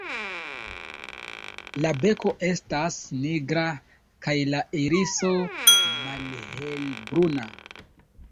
La beko estas nigra kaj la iriso malhelbruna.